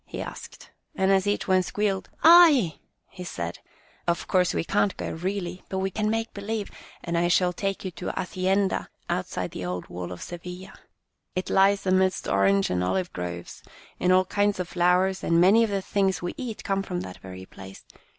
" he asked, and as each one squealed " I !" he said :" Of course we can't go, really, but we can make believe, and I shall take you to a hacienda outside the old wall of Sevilla. " It lies amidst orange and olive groves, and all kinds of flowers, and many of the things we eat come from that very place.